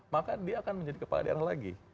maka dia akan menjadi kepala daerah lagi